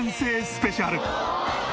スペシャル。